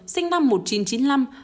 sinh năm một nghìn chín trăm chín mươi năm